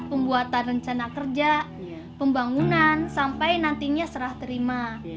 pembuatan rencana kerja pembangunan sampai nantinya serah terima